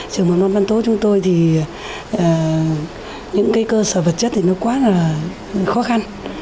trường mầm non văn tố chúng tôi thì những cơ sở vật chất thì nó quá là khó khăn